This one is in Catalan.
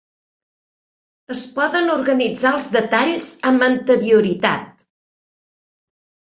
Es poden organitzar els detalls amb anterioritat.